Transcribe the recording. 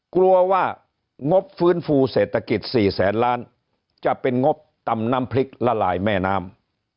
กลัวว่างบฟื้นฟูเศรษฐกิจ๔แสนล้านจะเป็นงบตำน้ำพริกละลายแม่น้ำ